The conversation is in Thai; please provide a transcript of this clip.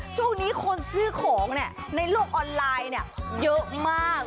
ช่วงนี้คนซื้อของเนี่ยในโลกออนไลน์เนี่ยเยอะมาก